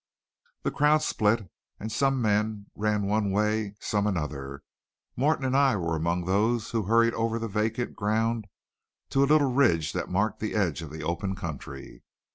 The crowd split and some men ran one way, some another. Morton and I were among those who hurried over the vacant ground to a little ridge that marked the edge of the open country.